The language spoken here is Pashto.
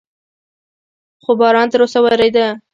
خو باران تر اوسه ورېده.